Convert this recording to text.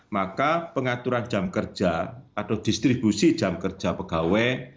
maka pengaturan jam kerja atau distribusi jam kerja pegawai